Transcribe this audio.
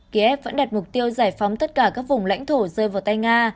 kiev vẫn đặt mục tiêu giải phóng tất cả các vùng lãnh thổ rơi vào tay nga